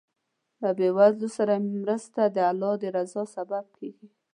له بېوزلو سره مرسته د الله د رضا سبب کېږي.